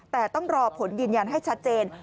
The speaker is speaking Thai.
แต่ต้องรอผลยืนยันให้ชัดเจน